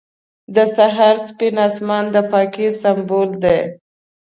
• د سهار سپین آسمان د پاکۍ سمبول دی.